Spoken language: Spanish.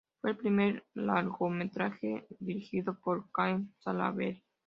Fue el primer largometraje dirigido por Cahen Salaberry.